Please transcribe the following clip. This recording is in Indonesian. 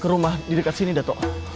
mereka sudah dekat sini gatoh